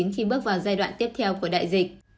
khi bước vào giai đoạn tiếp theo của đại dịch